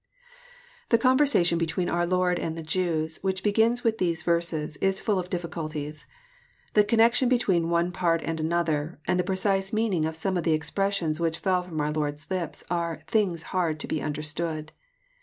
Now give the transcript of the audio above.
The conversation between our Lord and the Jews, which begins with these verses, is full of difficulties. The con^ nection between one part and another, and the precise meaning of some of the expressions which fell from our Lord's lips, are " things bard to be understood."